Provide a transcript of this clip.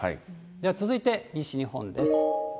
では続いて、西日本です。